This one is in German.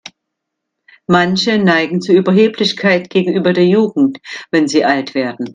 Manche neigen zu Überheblichkeit gegenüber der Jugend, wenn sie alt werden.